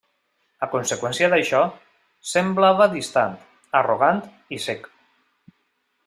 A conseqüència d'això, semblava distant, arrogant, i sec.